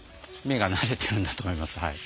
目が慣れてるんだと思いますはい。